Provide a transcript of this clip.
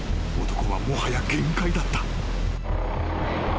男はもはや限界だった］